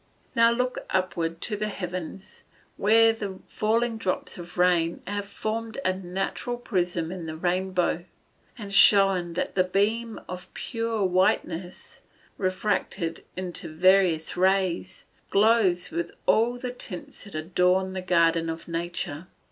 Now look upward to the heavens, where the falling drops of rain have formed a natural prism in the rainbow, and shown that the beam of pure whiteness, refracted into various rays, glows with all the tints that adorn the garden of nature.